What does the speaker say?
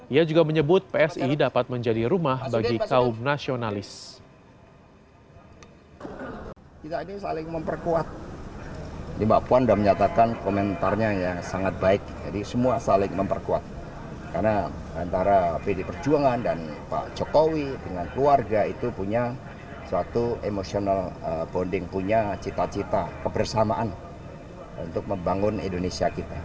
ia juga menyebut psi dapat menjadi rumah bagi kaum nasionalis